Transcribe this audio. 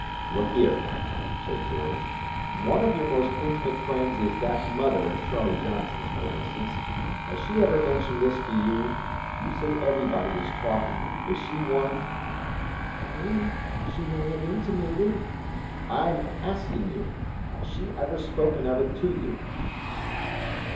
"Look here," said George. "One of your most intimate friends is that mother of Charlie Johnson's, for instance. Has she ever mentioned this to you? You say everybody is talking. Is she one?" "Oh, she may have intimated—" "I'm asking you: Has she ever spoken of it to you?"